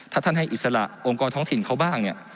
ถ้าท่านให้อิสระองค์กรท้องถิ่นเขาบ้างเนี่ย